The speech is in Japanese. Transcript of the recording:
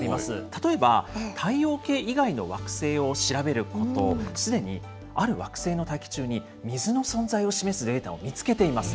例えば太陽系以外の惑星を調べること、すでにある惑星の大気中に水の存在を示すデータを見つけています。